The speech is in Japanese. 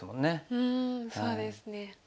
うんそうですね。